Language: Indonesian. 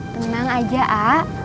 tenang aja ah